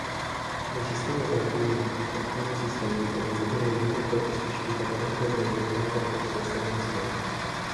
Nei sistemi operativi Mac non esiste un visualizzatore univoco specificatamente progettato per questa funzione.